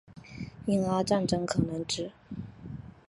英阿战争可能指